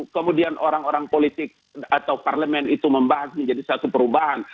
kemudian orang orang politik atau parlemen itu membahas menjadi satu perubahan